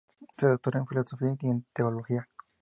Se doctoró en Filosofía y en Teología.